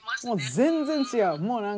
もう全然違う。